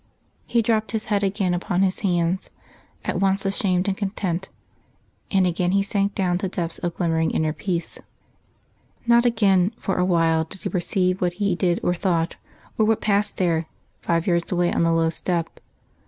He dropped his head again upon his hands, at once ashamed and content; and again he sank down to depths of glimmering inner peace.... Not again, for a while, did he perceive what he did or thought, or what passed there, five yards away on the low step.